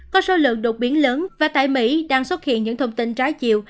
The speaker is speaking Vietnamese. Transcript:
có số lượng đột biến lớn và tại mỹ đang xuất hiện những thông tin trái chiều